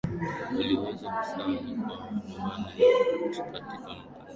waliweza kusali kwao nyumbani na katika makanisa na